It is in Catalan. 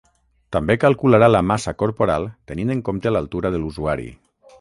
També calcularà la massa corporal tenint en compte l’altura de l’usuari.